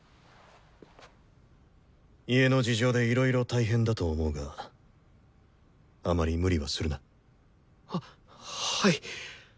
家の事情でいろいろ大変だと思うがあまり無理はするな。ははい！